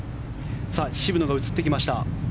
渋野が映ってきました。